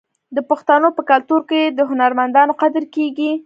د پښتنو په کلتور کې د هنرمندانو قدر کیږي.